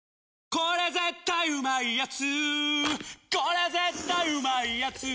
これ絶対うまいやつ」